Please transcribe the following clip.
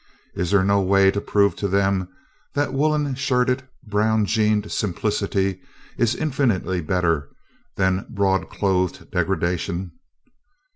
Is there no way to prove to them that woollen shirted, brown jeaned simplicity is infinitely better than broad clothed degradation?"